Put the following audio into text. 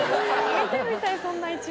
見てみたいそんな一面。